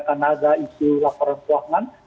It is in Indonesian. karena ada isu laporan keuangan